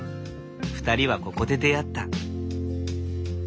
２人はここで出会った。